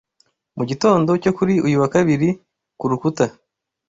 Mu gitondo cyo kuri uyu wa Kabiri ku rukuta